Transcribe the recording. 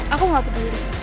aku gak peduli